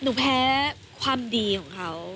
แพ้ความดีของเขา